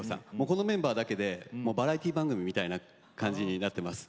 このメンバーだけでバラエティー番組みたいな感じになっています。